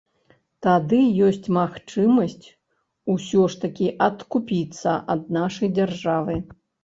Тады ёсць магчымасць усё ж такі адкупіцца ад нашай дзяржавы.